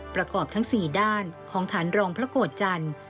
ประกอบทั้ง๔ด้านของฐานรองพระโกรธจันทร์